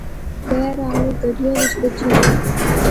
بہرحال او گڈیا وچ بہجی گئے